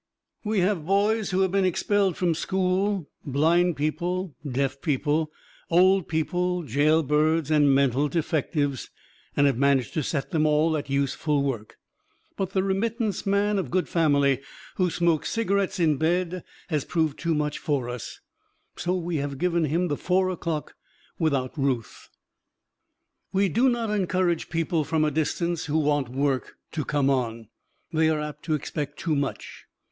We have boys who have been expelled from school, blind people, deaf people, old people, jailbirds and mental defectives, and have managed to set them all at useful work; but the Remittance Man of Good Family who smokes cigarettes in bed has proved too much for us so we have given him the Four o'Clock without ruth. We do not encourage people from a distance who want work to come on they are apt to expect too much.